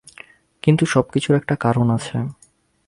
কিন্তু সবকিছুর একটা কারণ আছে।